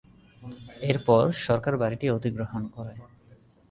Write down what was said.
এরপর সরকার বাড়িটি অধিগ্রহণ করে।